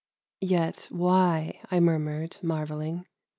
" Yet why ?" I murmured, marveling.